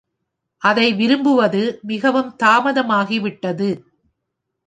அதை விரும்புவது மிகவும் தாமதமாகிவிட்டது!